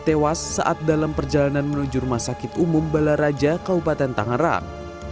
tewas saat dalam perjalanan menuju rumah sakit umum balaraja kabupaten tangerang